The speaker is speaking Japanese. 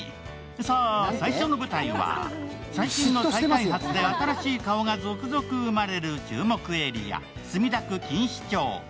さあ、最初の舞台は最近の再開発で新しい顔が続々生まれる注目エリア、墨田区錦糸町。